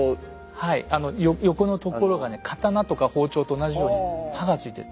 横のところがね刀とか包丁と同じように刃がついてる。